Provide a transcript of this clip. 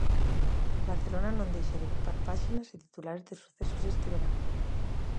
Barcelona non deixa de ocupar páxinas e titulares de sucesos este verán.